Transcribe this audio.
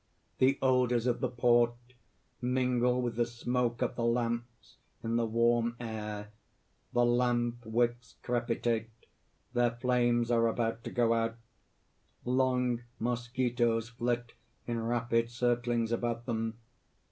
_ _The odors of the port mingle with the smoke of the lamps in the warm air. The lamp wicks crepitate; their flames are about to go out, long mosquitoes flit in rapid circlings about them.